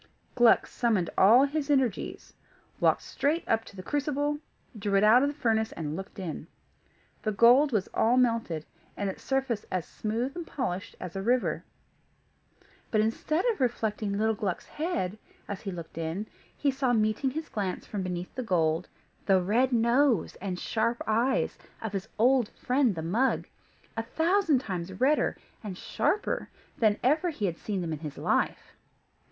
Gluck summoned all his energies, walked straight up to the crucible, drew it out of the furnace, and looked in. The gold was all melted, and its surface as smooth and polished as a river; but instead of reflecting little Gluck's head, as he looked in, he saw meeting his glance from beneath the gold the red nose and sharp eyes of his old friend of the mug, a thousand times redder and sharper than ever he had seen them in his life.